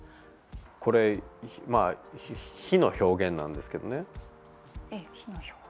これ、火の表現なんですけどね。